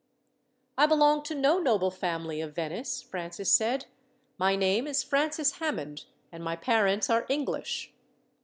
"I belong to no noble family of Venice," Francis said. "My name is Francis Hammond, and my parents are English."